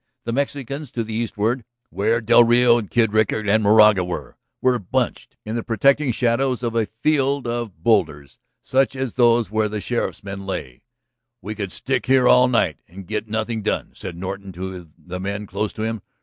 The Mexicans to the eastward, where del Rio and Kid Rickard and Moraga were, were bunched in the protecting shadows of a field of boulders such as those where the sheriff's men lay. "We could stick here all night and get nothing done," said Norton to the men close to him.